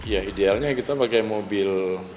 ya idealnya kita pakai mobil